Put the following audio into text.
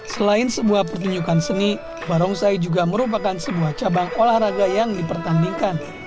selain sebuah pertunjukan seni barongsai juga merupakan sebuah cabang olahraga yang dipertandingkan